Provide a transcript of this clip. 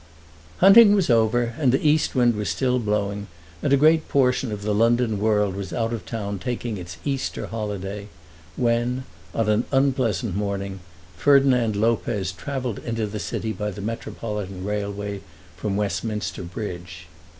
Hunting was over, and the east wind was still blowing, and a great portion of the London world was out of town taking its Easter holiday, when, on an unpleasant morning, Ferdinand Lopez travelled into the city by the Metropolitan railway from Westminster Bridge.